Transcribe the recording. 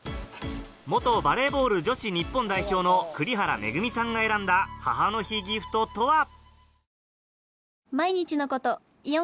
元バレーボール女子日本代表の栗原恵さんが選んだ母の日ギフトとは？